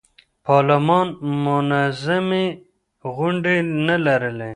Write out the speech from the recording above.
پارلمان منظمې غونډې نه لرلې.